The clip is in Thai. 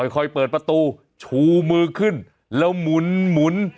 ค่อยเปิดประตูชูมือขึ้นแล้วหมุน